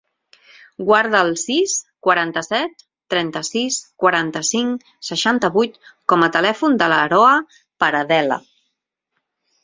Guarda el sis, quaranta-set, trenta-sis, quaranta-cinc, seixanta-vuit com a telèfon de l'Aroa Paradela.